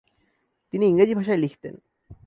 তিনি ইংরেজি ভাষায় লিখতেন।